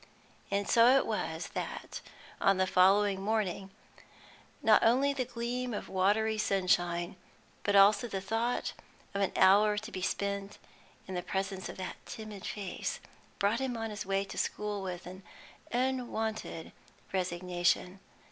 And so it was that, on the following morning, not only the gleam of watery sunshine, but also the thought of an hour to be spent in the presence of that timid face, brought him on his way to the school with an unwonted resignation.